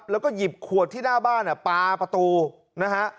แล้วก็หยิบขวดที่หน้าบ้านปลาประตูนะฮะ